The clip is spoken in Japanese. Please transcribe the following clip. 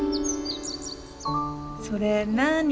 「『それなあに？』